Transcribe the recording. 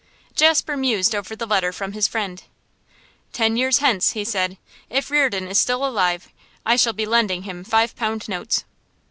Jasper mused over the letter from his friend. 'Ten years hence,' he said, 'if Reardon is still alive, I shall be lending him five pound notes.